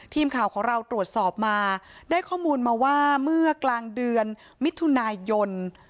ทีมข่าวของเราตรวจสอบมาได้ข้อมูลมาว่าเมื่อกลางเดือนมิถุนายน